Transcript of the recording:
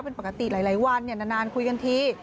เป็นปกติหลายวันนานคุยกันที